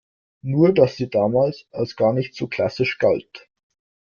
Nur dass sie damals als gar nicht so klassisch galt.